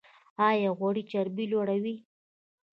ایا غوړي چربي لوړوي؟